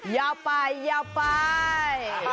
ยาวไปยาวไป